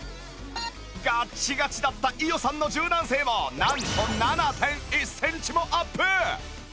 ガッチガチだった伊代さんの柔軟性もなんと ７．１ センチもアップ！